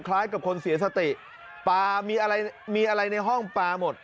คล้ายกับคนเสียสติมีอะไรในห้องปาหมด